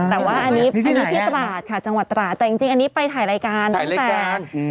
แต่ว่าอันนี้ที่ตลาดค่ะจังหวัดตลาดแต่อันนี้ที่จริงอันนี้ไปถ่ายรายการตั้งแต่ถ่ายรายการ